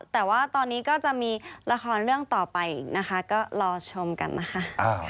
แต่ว่าตอนนี้ก็จะมีละครเรื่องต่อไปอีกนะคะก็รอชมกันนะคะ